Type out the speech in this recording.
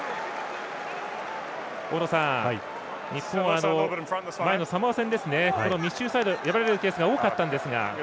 大野さん、日本は前のサモア戦で密集サイドを破られるケースが多かったんですが。